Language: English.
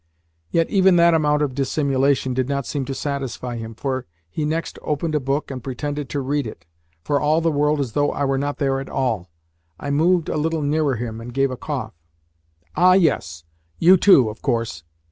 Yet even that amount of dissimulation did not seem to satisfy him, for he next opened a book, and pretended to read it, for all the world as though I were not there at all. I moved a little nearer him, and gave a cough. "Ah, yes! You too, of course!